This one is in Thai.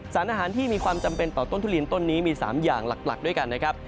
สารอาหารที่มีความจำเป็นต่อต้นทุเรียนต้นนี้มี๓อย่างหลักด้วยกันนะครับ